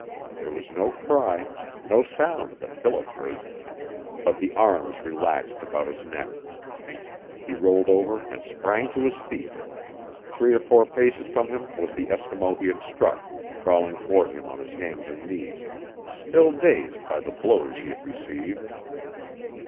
There was no cry, no sound that Philip heard. But the arms relaxed about his neck. He rolled over and sprang to his feet. Three or four paces from him was the Eskimo he had struck, crawling toward him on his hands and knees, still dazed by the blows he had received.